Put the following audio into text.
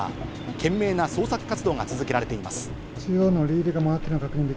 懸命な捜索活動が続けられています。